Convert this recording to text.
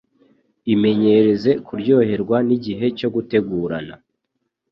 Imenyereze kuryoherwa n'igihe cyo gutegurana.